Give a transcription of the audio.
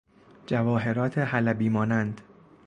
جواهرات حلبی مانند